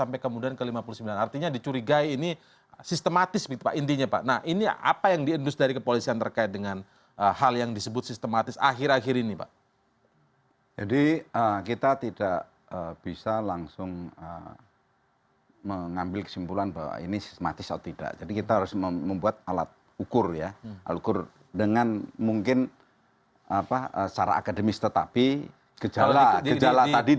maka kalau semuanya banyak berisi ancaman lebih baik melaporkan langsung kepada polis